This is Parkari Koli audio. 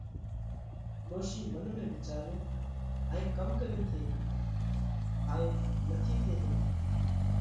ڏوشِي منَ ۾ وِيچاريو، هائي ڪم ڪرينَ ٿي هيڪئه؟ هائي نٿِي ٿي هيڪتو۔